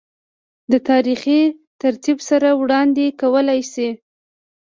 دَ تاريخي ترتيب سره وړاند ې کولے شي